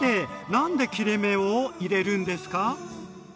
何で切れ目を入れるんですか？